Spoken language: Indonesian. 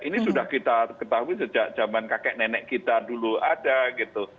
ini sudah kita ketahui sejak zaman kakek nenek kita dulu ada gitu